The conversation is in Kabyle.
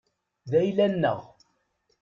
D ayla-nneɣ.